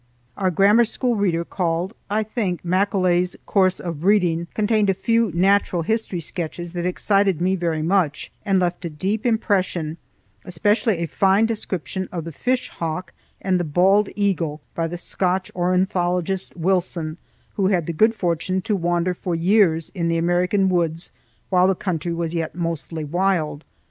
Our grammar school reader, called, I think, "Maccoulough's Course of Reading," contained a few natural history sketches that excited me very much and left a deep impression, especially a fine description of the fish hawk and the bald eagle by the Scotch ornithologist Wilson, who had the good fortune to wander for years in the American woods while the country was yet mostly wild.